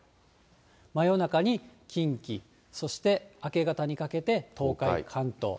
真夜中に近畿、そして明け方にかけて東海、関東。